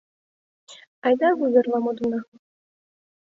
— Айда вуверла модына.